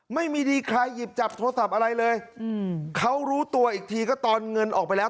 ไม่มีดีใครหยิบจับโทรศัพท์อะไรเลยเขารู้ตัวอีกทีก็ตอนเงินออกไปแล้ว